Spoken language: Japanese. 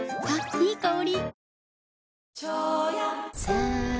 いい香り。